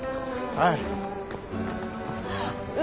はい。